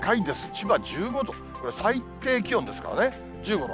千葉１５度、これ、最低気温ですからね、１５度。